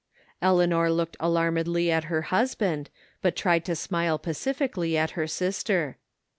Eleanor looked alarmedly at her husband, but tried to smile pacifically at her sister.